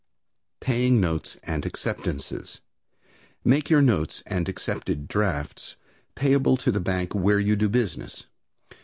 Paying Notes and Acceptances. Make your notes and accepted drafts payable at the bank where you do business.